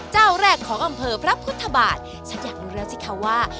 เจ้าแรกของอำเภอพระพุทธบาทฉันอยากรู้แล้วสิคะว่า